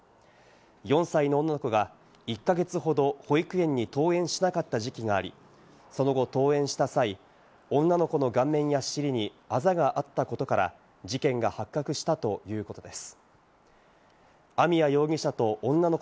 ４歳の女の子が１か月ほど保育園に登園しなかった時期があり、その後、登園した際、女の子の顔面や尻にあざがあったことから、事件が発覚したということです。